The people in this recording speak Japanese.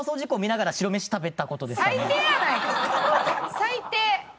最低！